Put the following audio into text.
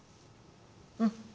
うん。